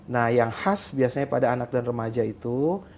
nah yang khas biasanya pada anak dan remaja itu